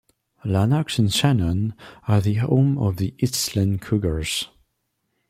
Lanark and Shannon are the home of the Eastland Cougars.